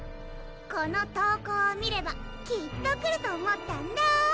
この投稿を見ればきっと来ると思ったんだ！